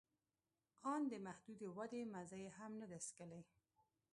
آن د محدودې ودې مزه یې هم نه ده څکلې